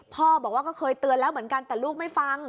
พ่อบอกว่าก็เคยเตือนแล้วเหมือนกันแต่ลูกไม่ฟัง